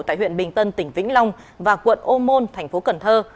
tại huyện bình tân tỉnh vĩnh long và quận ô môn thành phố cần thơ